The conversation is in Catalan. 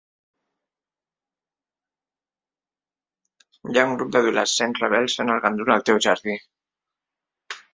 Hi ha un grup d'adolescents rebels fent el gandul al teu jardí.